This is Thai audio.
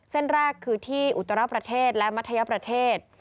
เส้นแรกคือที่อุตรประเทศและมัธยประเทศ